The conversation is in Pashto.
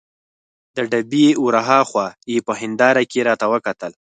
د ډبې ور هاخوا یې په هندارې کې راته وکتل.